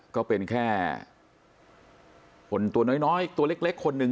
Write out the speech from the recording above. ก็เป็นแค่คนตัวน้อยตัวเล็กคนหนึ่ง